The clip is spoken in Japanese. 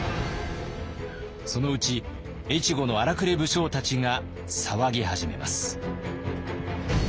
そのうち越後の荒くれ武将たちが騒ぎ始めます。